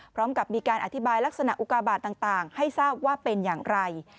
พร้อมกับมีการอธิบายลักษณะอุกาบาทต่างให้ทราบว่าเป็นอย่างไร